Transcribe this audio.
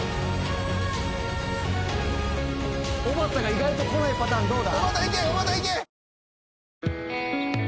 おばたが意外と来ないパターンどうだ？